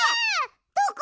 どこ？